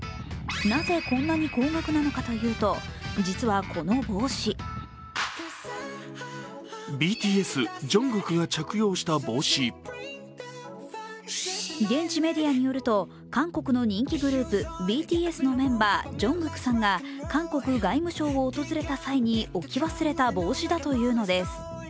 なぜこんなに高額なのかというと実はこの帽子現地メディアによると、韓国の人気グループ、ＢＴＳのメンバー、ＪＵＮＧＫＯＯＫさんが韓国外務省を訪れた際に置き忘れた帽子だというのです。